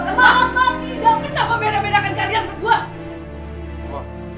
kenapa tidak kenapa membeda bedakan kalian menurut gua